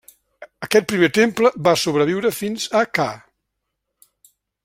Aquest primer temple va sobreviure fins a ca.